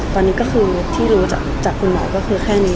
ตอนนี้ก็คือที่รู้จากคุณหมอก็คือแค่นี้